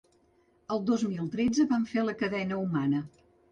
El dos mil tretze vam fer la cadena humana.